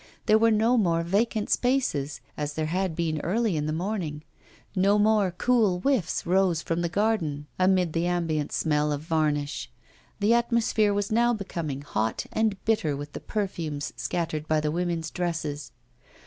There were no more vacant spaces, as there had been early in the morning; no more cool whiffs rose from the garden amid the ambient smell of varnish; the atmosphere was now becoming hot and bitter with the perfumes scattered by the women's dresses.